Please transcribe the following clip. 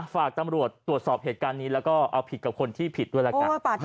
ฝากตำรวจตรวจสอบเหตุการณ์นี้แล้วก็เอาผิดกับคนที่ผิดด้วยละกัน